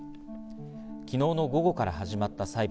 昨日の午後から始まった裁判。